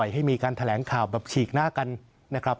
ให้มีการแถลงข่าวแบบฉีกหน้ากันนะครับ